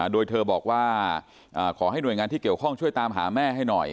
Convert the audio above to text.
โดยเธอบอกว่าขอให้หน่วยงานที่เกี่ยวข้องช่วยตามหาแม่ให้หน่อย